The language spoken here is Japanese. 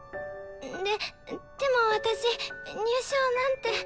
ででも私入賞なんて。